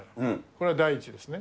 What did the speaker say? これが第一ですね。